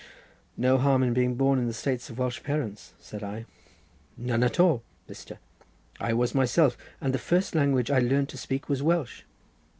"No harm in being born in the States of Welsh parents," said I. "None at all, Mr.; I was myself, and the first language I learnt to speak was Welsh.